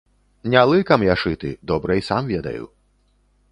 Не лыкам я шыты, добра і сам ведаю.